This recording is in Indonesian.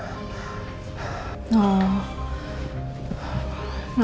gak ada apa apa dengan dia mah